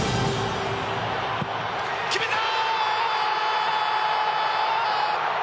決めた！